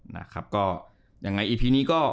นะครับก็ยังไงอีพีนี้ก็